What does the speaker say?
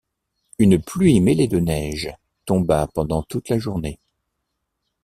Une pluie mêlée de neige tomba pendant toute la journée.